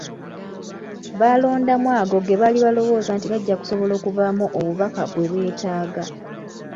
Baalondamu ago ge baali balowooza nti gajja kusobola okuvaamu obubaka bwe beetaaga.